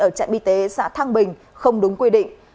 ở trạm y tế xã thăng bình không đúng quy định